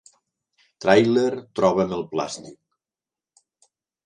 Tràiler Troba'm el plàstic.